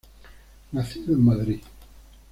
Nacido en Madrid.